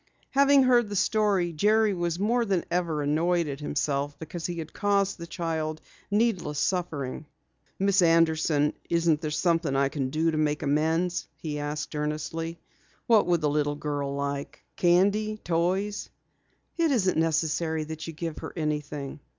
Having heard the story, Jerry was more than ever annoyed at himself because he had caused the child needless suffering. "Miss Anderson, isn't there something I can do to make amends?" he asked earnestly. "What would the little girl like? Candy, toys?" "It isn't necessary that you give her anything."